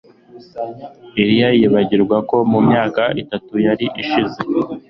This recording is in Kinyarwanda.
Eliya yibagirwa ko mu myaka itatu yari ishize